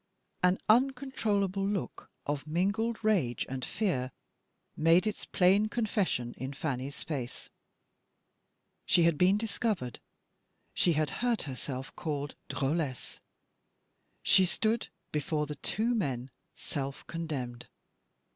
An uncontrollable look of mingled rage and fear made its plain confession in Fanny's face. She had been discovered; she had heard herself called "drolesse;" she stood before the two men self condemned.